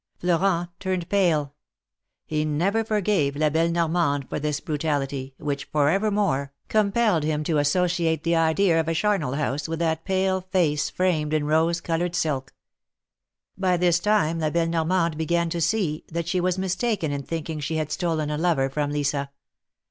Florent turned pale. He never forgave La belle Nor mande for this brutality, which forever more, compelled him to associate the idea of a charnel house, with that pale face framed in rose colored silk. By this time La belle Normande began to see, that she was mistaken in thinking she had stolen a lover from Lisa.